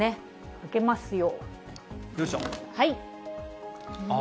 開けますよ。